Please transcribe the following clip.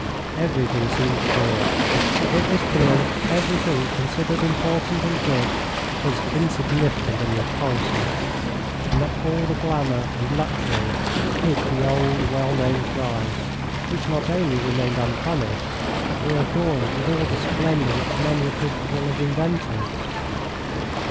Everything seemed clear. It was clear that everything considered important and good was insignificant and repulsive, and that all the glamour and luxury hid the old, well known crimes, which not only remained unpunished but were adorned with all the splendour which men were capable of inventing.